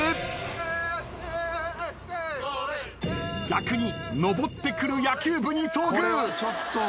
・逆に上ってくる野球部に遭遇。